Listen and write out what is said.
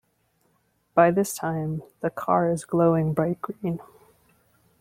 By this time, the car is glowing bright green.